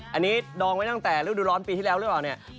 อันนี้ดองไว้ตั้งแต่ฤทธิ์ร้อนที่แล้วอย่างเนี้ย